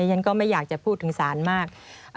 ฉันก็ไม่อยากจะพูดถึงศาลมาก